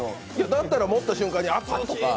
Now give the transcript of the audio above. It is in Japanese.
だったら持った瞬間に熱っ！とか。